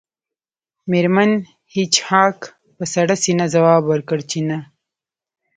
میرمن هیج هاګ په سړه سینه ځواب ورکړ چې نه